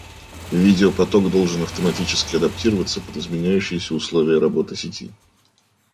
Видеопоток должен автоматически адаптироваться под изменяющиеся условия работы сети